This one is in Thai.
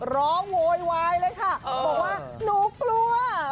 โวยวายเลยค่ะบอกว่าหนูกลัว